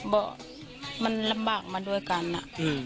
บอกมันลำบากมาด้วยกันอะ